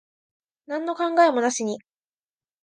なんの考えもなしに。